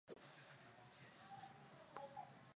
Jacob alipiga simu na kumpa maelekezo mtu wa upande wa pili